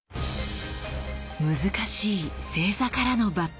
難しい正座からの抜刀。